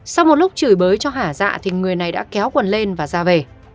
sau một lúc trừ bới cho hả dạ thì người này đã kéo quần lên và ra về